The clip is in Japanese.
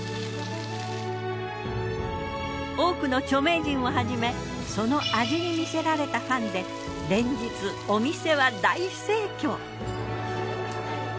多くの著名人をはじめその味に魅せられたファンで連日お店は大盛況。